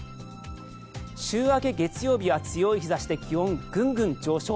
週明け月曜日は強い日差しで気温、ぐんぐん上昇。